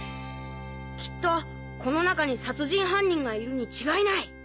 「きっとこの中に殺人犯人がいるに違いない！！」。